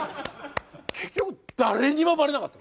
結局誰にもバレなかった。